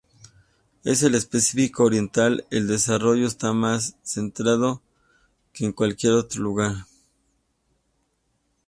En el Pacífico oriental, el desarrollo está más centrado que en cualquier otro lugar.